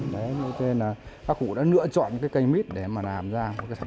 đấy nên là các cụ đã lựa chọn cái cây mít để mà làm ra cái sản phẩm trống